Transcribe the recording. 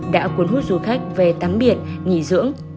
đã cuốn hút du khách về tắm biển nghỉ dưỡng